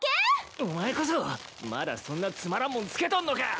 お前こそまだそんなつまらんもんつけとんのか！